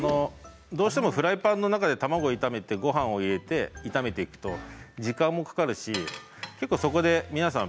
どうしてもフライパンの中で卵を炒めてごはんを入れて炒めていくと時間もかかるしそこで皆さん